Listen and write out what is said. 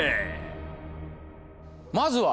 まずは。